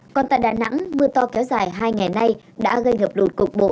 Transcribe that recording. còn tại đà nẵng mưa to kéo dài hai ngày nay đã gây ngập lụt cục bộ